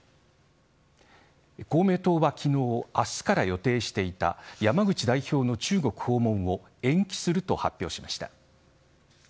公明党は昨日明日から予定していた山口代表の中国訪問を延期すると発表しました。